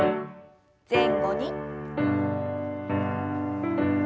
前後に。